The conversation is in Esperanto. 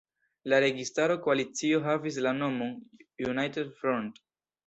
La registaro koalicio havis la nomon United Front.